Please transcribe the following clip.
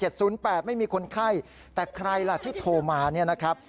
ไม่มีคนไข้แต่ใครล่ะที่โทรมาเนี่ยนะครับ